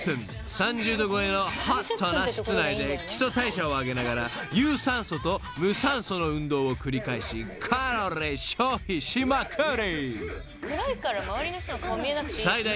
［３０℃超えのホットな室内で基礎代謝を上げながら有酸素と無酸素の運動を繰り返しカロリー消費しまくり］